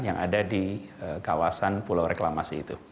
yang ada di kawasan pulau reklamasi itu